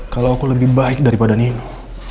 kalau aku lebih baik daripada nenek